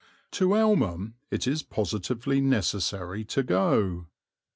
To Elmham it is positively necessary to go.